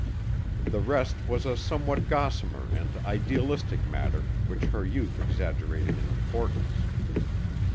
The rest was a somewhat gossamer and idealistic matter which her youth exaggerated in importance.